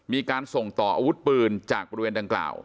มีการส่งต่ออาวุธปืนจากบริเวณดังกล่าว